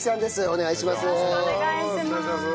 お願いします！